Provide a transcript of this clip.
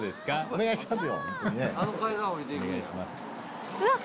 お願いします。